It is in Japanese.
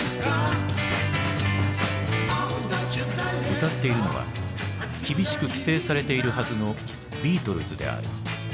歌っているのは厳しく規制されているはずのビートルズである。